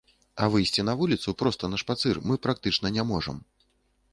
А выйсці на вуліцу проста на шпацыр мы практычна не можам.